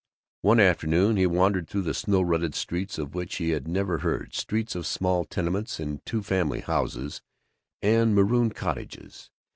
One afternoon he wandered through snow rutted streets of which he had never heard, streets of small tenements and two family houses and marooned cottages.